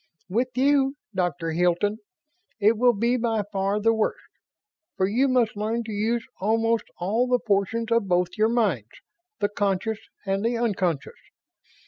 "With you, Doctor Hilton, it will be by far the worst. For you must learn to use almost all the portions of both your minds, the conscious and the unconscious.